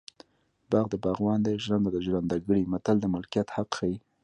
باغ د باغوان دی ژرنده د ژرندګړي متل د ملکیت حق ښيي